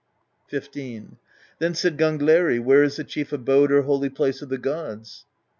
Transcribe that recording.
XV. Then said Gangleri :" Where is the chief abode or holy place of the gods?''